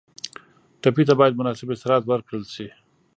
ټپي ته باید مناسب استراحت ورکړل شي.